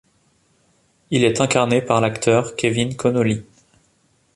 Il est incarné par l'acteur Kevin Connolly.